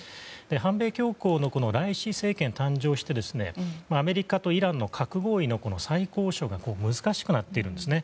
反米強硬の政権の誕生にアメリカとイランの核合意の再交渉が難しくなってるんですね。